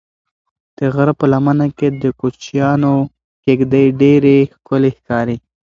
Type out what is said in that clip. د غره په لمنه کې د کوچیانو کيږدۍ ډېرې ښکلي ښکاري.